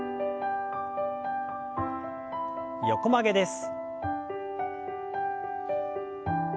横曲げです。